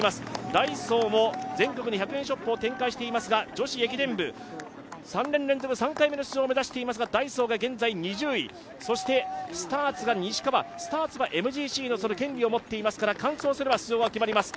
ダイソーも全国に１００円ショップを展開していますが女子駅伝部、３年連続３回目の出場を目指していますがダイソーが現在２０位、そしてスターツが西川、スターツはＭＧＣの権利を持っていますから、完走すれば出場が決まります。